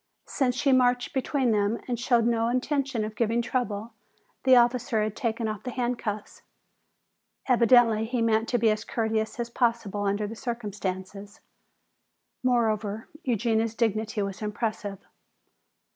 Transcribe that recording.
Since she marched between them and showed no intention of giving trouble, the officer had taken off the handcuffs. Evidently he meant to be as courteous as possible under the circumstances. Moreover, Eugenia's dignity was impressive.